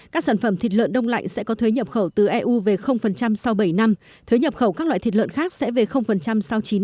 các sản phẩm thịt lợn đông lạnh sẽ có thuế nhập khẩu từ eu về sau bảy năm